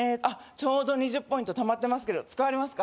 ちょうど２０ポイントたまってますけど使われますか？